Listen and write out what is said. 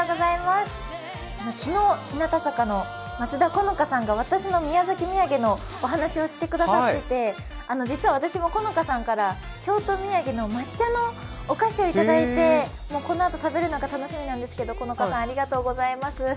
昨日、日向坂の松田好花さんが私の宮崎土産のお話をしてくださっていて、実は私も好花さんから京都土産の抹茶のお菓子をいただいて、このあと食べるのが楽しみなんですけど好花さん、ありがとうございます。